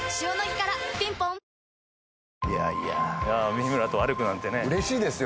三村と歩くなんてね嬉しいですよ